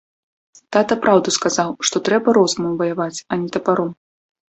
Тата праўду сказаў, што трэба розумам ваяваць, а не тапаром.